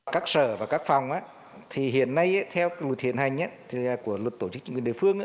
các sở và các phòng thì hiện nay theo luật hiện hành của luật tổ chức chính quyền địa phương